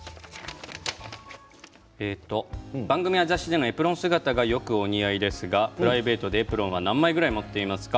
番組や雑誌でのエプロン姿がよくお似合いですがプライベートでエプロンは何枚くらい持っていますか？